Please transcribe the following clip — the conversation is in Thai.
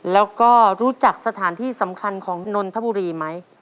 แล้วก็รู้จักสถานที่สำคัญของนนทบุรีไหม